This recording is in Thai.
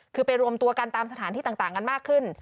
คือไปรวมตัวกันตามสถานที่ต่างกันมากขึ้น